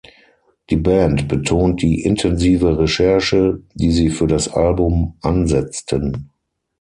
Die Band betont die intensive Recherche, die sie für das Album ansetzten.